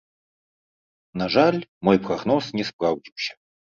На жаль, мой прагноз не спраўдзіўся.